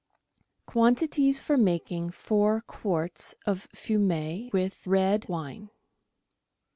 Quantities for making Four Quarts of Fumet with Red Wine.